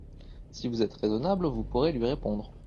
Si vous êtes raisonnable, vous pourrez lui répondre.